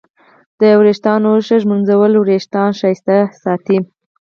د ویښتانو ښه ږمنځول وېښتان ښایسته ساتي.